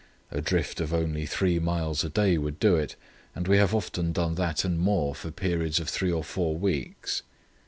A drift of only three miles a day would do it, and we have often done that and more for periods of three or four weeks.